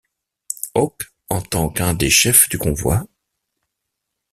Hauck en tant qu'un des chefs du convoi.